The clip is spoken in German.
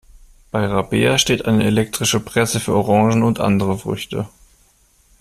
Bei Rabea steht eine elektrische Presse für Orangen und andere Früchte.